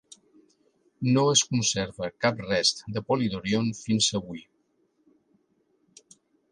No es conserva cap rest de Polydorion fins avui.